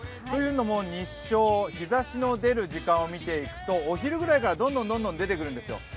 というのも日照、日ざしの出る時間を見ていくと、お昼ぐらいから、どんどん出てくるんですよ。